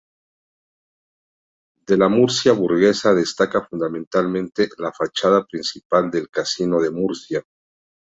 De la Murcia burguesa destaca fundamentalmente la fachada principal del Casino de Murcia.